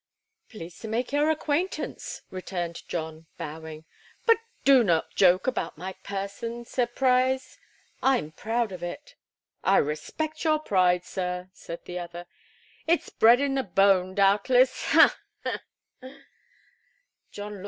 "Pleased to make your acquaintance," returned John, bowing. "But do not joke about my person, Sir Pryse. I'm proud of it." "I respect your pride, sir," said the other. "It's bread in the bone, doubtless. Ha, ha!"